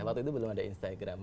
waktu itu belum ada instagram